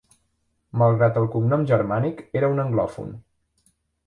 Malgrat el cognom germànic, era un anglòfon.